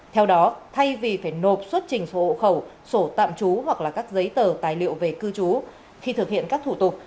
theo đó thay vì phải nộp xuất trình sổ hộ khẩu sổ tạm trú hoặc là các giấy tờ tài liệu về cư trú khi thực hiện các thủ tục